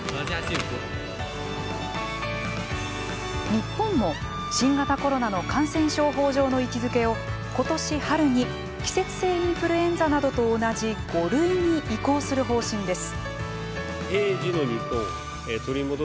日本も新型コロナの感染症法上の位置づけを今年、春に季節性インフルエンザなどと同じ５類に移行する方針です。